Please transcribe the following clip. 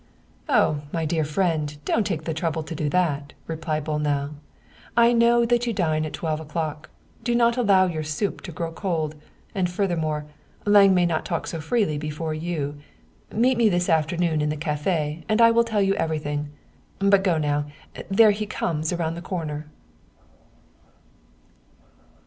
" Oh, my dear friend, don't take the trouble to do that," replied Bolnau. " I know that you dine at twelve o'clock ; do not allow your soup to grow cold. And, furthermore, Lange might not talk so freely before you. Meet me this afternoon in the cafe, and I will tell you everything. But go now there he comes around the corner."